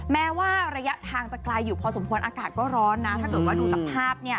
แม้ว่าระยะทางจะไกลอยู่พอสมควรอากาศก็ร้อนนะถ้าเกิดว่าดูสภาพเนี่ย